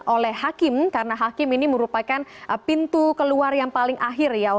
oleh hakim karena hakim ini merupakan pintu keluar yang paling akhir ya